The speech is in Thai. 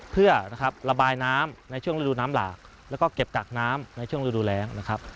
เพื่อนะครับระบายน้ำในช่วงฤดูน้ำหลากแล้วก็เก็บกักน้ำในช่วงฤดูแรงนะครับ